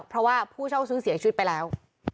เพราะว่าผู้เช่าซื้อเสียชีวิตไปแล้ว